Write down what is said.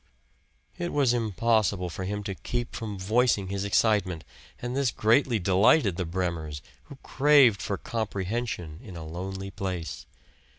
It was impossible for him to keep from voicing his excitement, and this greatly delighted the Bremers, who craved for comprehension in a lonely place.